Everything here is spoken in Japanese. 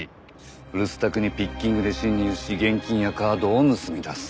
留守宅にピッキングで侵入し現金やカードを盗み出す。